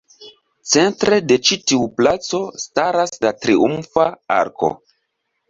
Centre de ĉi tiu placo, staras la Triumfa Arko.